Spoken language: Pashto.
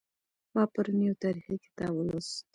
ما پرون یو تاریخي کتاب ولوست